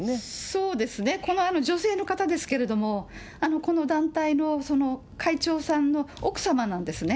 そうですね、この女性の方ですけれども、この団体の会長さんの奥様なんですね。